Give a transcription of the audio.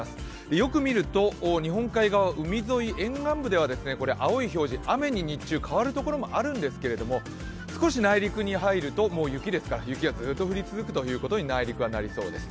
よく見ると日本海側、海沿い、沿岸部では青い表示、雨に日中変わるところもあるんですけど少し内陸に入ると雪ですから雪がずっと降り続くと内陸はなりそうです。